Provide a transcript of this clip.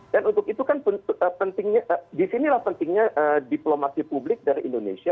dan untuk itu kan pentingnya disinilah pentingnya diplomasi publik dari indonesia